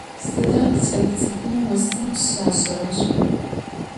Sıda ç'elets'ık'ume vosım şaş'erer?